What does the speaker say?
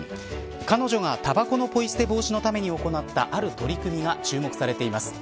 彼女がたばこのポイ捨て防止のために行ったある取り組みが注目されています。